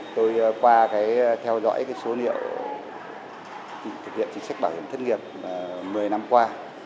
tôi qua theo dõi số liệu thực hiện chính sách bảo hiểm thất nghiệp một mươi năm qua